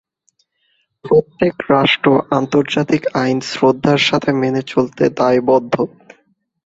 প্রত্যেক রাষ্ট্র আন্তর্জাতিক আইন শ্রদ্ধার সাথে মেনে চলতে দায়বদ্ধ।